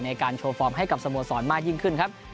ในการโชว์ฟอร์มให้กับสโมสรมากยิ่งขึ้นครับ